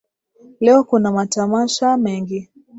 Leo kuna matamasha mengi.